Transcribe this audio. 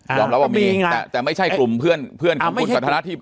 อ่ามีอย่างงั้นแต่ไม่ใช่กลุ่มเพื่อนเพื่อนของคุณสัตว์ธนาที